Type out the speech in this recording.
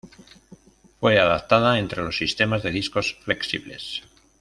Fue adaptada entre los sistemas de discos flexibles.